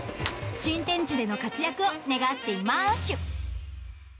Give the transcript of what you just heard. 新天地での活躍を願っていマーシュ。